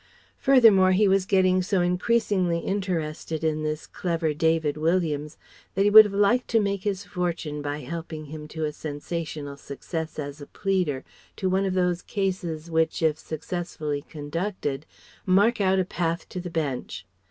Furthermore he was getting so increasingly interested in this clever David Williams that he would have liked to make his fortune by helping him to a sensational success as a pleader, to one of those cases which if successfully conducted mark out a path to the Bench.